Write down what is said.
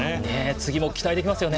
次も期待できますよね。